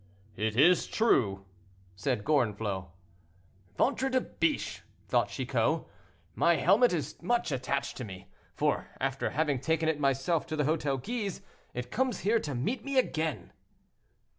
"It is true," said Gorenflot. "Ventre de biche!" thought Chicot; "my helmet is much attached to me, for, after having taken it myself to the Hotel Guise, it comes here to meet me again."